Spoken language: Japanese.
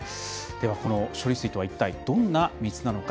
この処理水とは一体どんな水なのか。